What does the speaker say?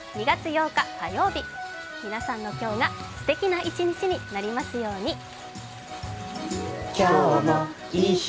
２月８日火曜日、皆さんの今日がすてきな一日になりますように。